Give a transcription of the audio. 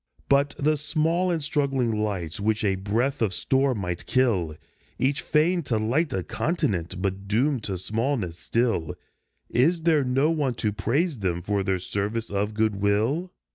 But the small and struggling lights which a breath of storm might kill, Each fain to light a continent, but doomed to smallness still, Is there no one to praise them for their service of good will?